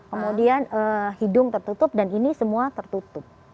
kemudian hidung tertutup dan ini semua tertutup